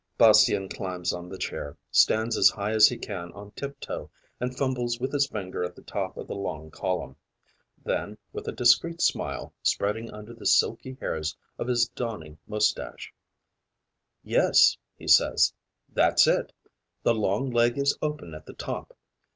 Bastien climbs on the chair, stands as high as he can on tip toe and fumbles with his finger at the top of the long column. Then, with a discreet smile spreading under the silky hairs of his dawning moustache: 'Yes,' he says, 'that's it. The long leg is open at the top.